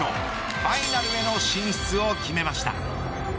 ファイナルへの進出を決めました。